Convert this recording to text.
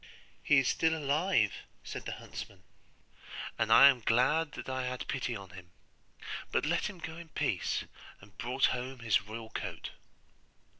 'He is still alive,' said the huntsman; 'and I am glad that I had pity on him, but let him go in peace, and brought home his royal coat.